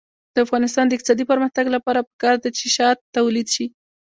د افغانستان د اقتصادي پرمختګ لپاره پکار ده چې شات تولید شي.